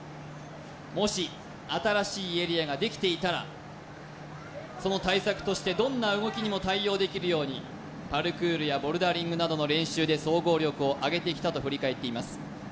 もし新しいエリアができていたらその対策としてどんな動きにも対応できるようにパルクールやボルダリングなどの練習で総合力を上げてきたと振り返っています